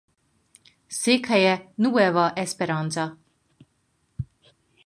Székhelye Nueva Esperanza.